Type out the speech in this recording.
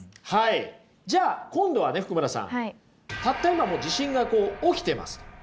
じゃあ今度はね福村さんたった今地震が起きてますと。